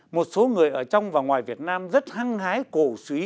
một số người ở trong và ngoài việt nam rất hăng hái cổ suý